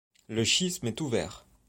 Le schisme est ouvert.